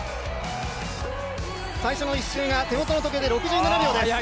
最初の１周が手元の時計で６７秒です。